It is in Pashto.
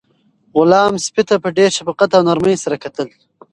غلام سپي ته په ډېر شفقت او نرمۍ سره کتل.